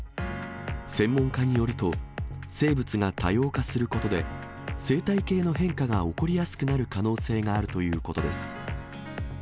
専門家によると、生物が多様化することで、生態系の変化が起こりやすくなる可能性があるということです。